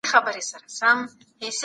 سيدشاه مهتاب شيراحمد حيدر